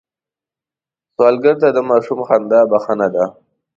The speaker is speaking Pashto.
سوالګر ته د ماشوم خندا بښنه ده